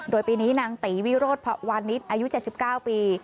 โดยปีนี้นางตีวิโรธวานิสอายุ๗๙ปี